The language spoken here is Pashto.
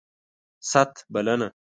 ست ... بلنه